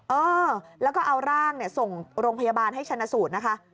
เออแล้วก็เอาร่างส่งโรงพยาบาลให้ชนะสูตรนะคะ